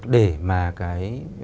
để mà cái